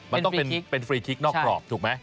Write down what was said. มันต้องเป็นฟรีคลิกนอกกรอบถูกไหม